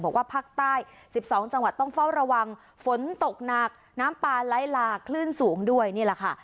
บอกว่าภาคใต้๑๒จังหวัดต้องเฝ้าระวังฝนตกหนักน้ำปลาไล่ลาคลื่นสูงด้วยนี่แหละค่ะ